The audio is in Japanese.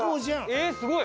えっすごい！